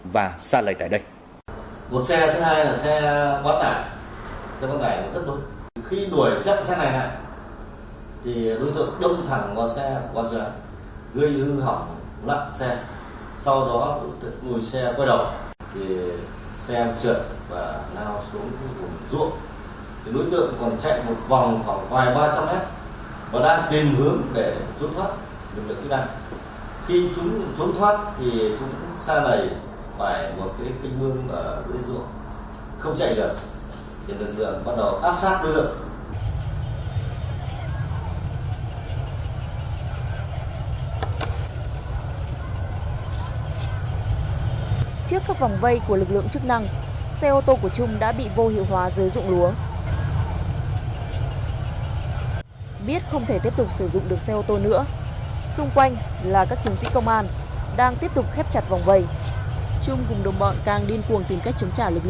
và điều lại lực lượng chức năng rút khỏi rút khỏi ngay cạnh xe đó và tạo thế phong toàn tạo thế phong toàn trên trường